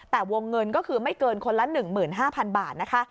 แต่วงเงินก็คือไม่เกินคนละ๑๕๐๐๐บาทนะคะ